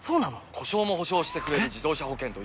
故障も補償してくれる自動車保険といえば？